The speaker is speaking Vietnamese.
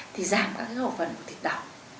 thì giảm các khẩu phần của thịt đỏ